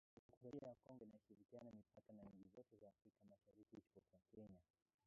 Demokrasia ya Kongo inashirikiana mipaka na nchi zote za Afrika Mashariki isipokuwa Kenya